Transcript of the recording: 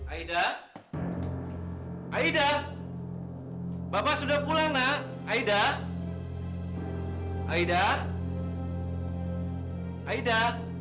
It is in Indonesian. aida aida bapak sudah pulang nak aida aida aida